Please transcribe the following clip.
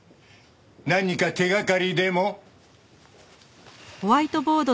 何か手掛かりでも？